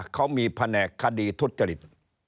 เขามีแผนกคดีทุจริต